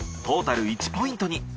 トータル１ポイントに。